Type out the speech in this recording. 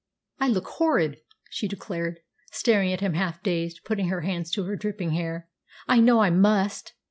"I look horrid!" she declared, staring at him half dazed, putting her hands to her dripping hair. "I know I must.